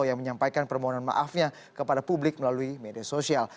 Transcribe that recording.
yang menyampaikan permohonan maafnya kepada publik melalui media sosial